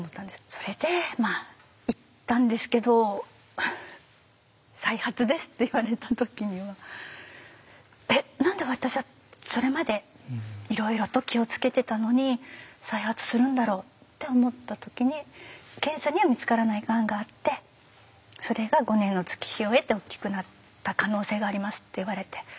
それでまあ行ったんですけど「再発です」って言われた時にはえっ何で私はそれまでいろいろと気を付けてたのに再発するんだろうって思った時に「検査には見つからないがんがあってそれが５年の月日を経ておっきくなった可能性があります」って言われて。